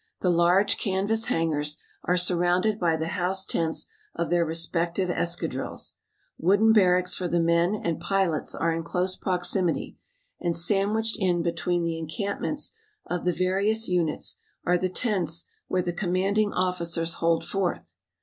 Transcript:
The large canvas hangars are surrounded by the house tents of their respective escadrilles; wooden barracks for the men and pilots are in close proximity, and sandwiched in between the encampments of the various units are the tents where the commanding officers hold forth.